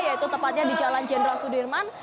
yaitu tepatnya di jalan jenderal sudirman